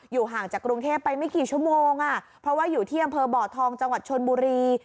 ห่างจากกรุงเทพไปไม่กี่ชั่วโมงอ่ะเพราะว่าอยู่ที่อำเภอบ่อทองจังหวัดชนบุรี